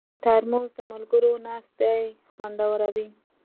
ترموز د ملګرو ناستې خوندوروي.